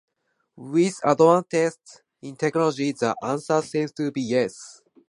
With advancements in technology, the answer seems to be yes.